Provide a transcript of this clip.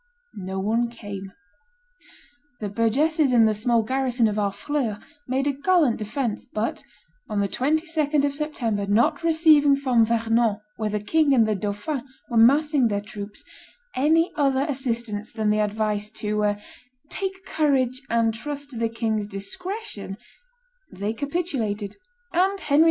No one came. The burgesses and the small garrison of Harfleur made a gallant defence; but, on the 22d of September, not receiving from Vernon, where the king and the dauphin were massing their troops, any other assistance than the advice to "take courage and trust to the king's discretion," they capitulated; and Henry V.